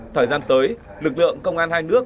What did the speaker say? thời gian tới lực lượng công an hai nước